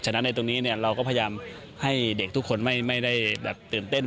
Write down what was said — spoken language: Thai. ฉะนั้นในตรงนี้เราก็พยายามให้เด็กทุกคนไม่ได้แบบตื่นเต้น